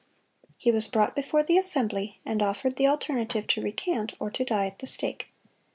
He was brought before the assembly, and offered the alternative to recant, or to die at the stake.